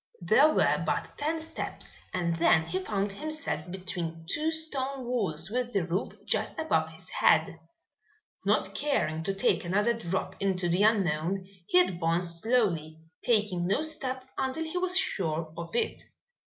There were but ten steps and then he found himself between two stone walls with the roof just above his head. Not caring to take another drop into the unknown, he advanced slowly, taking no step until he was sure of it.